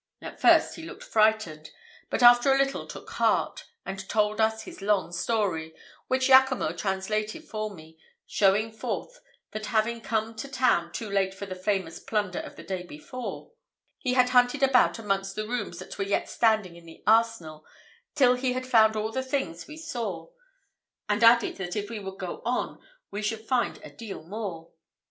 At first he looked frightened, but after a little took heart, and told us a long story, which Jaccomo translated for me, showing forth, that having come to town too late for the famous plunder of the day before, he had hunted about amongst the rooms that were yet standing in the arsenal, till he had found all the things we saw; and added, that if we would go on we should find a deal more.